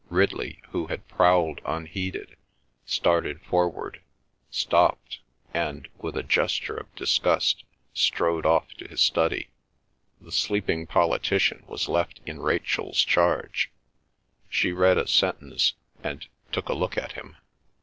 Ridley, who had prowled unheeded, started forward, stopped, and, with a gesture of disgust, strode off to his study. The sleeping politician was left in Rachel's charge. She read a sentence, and took a look at him.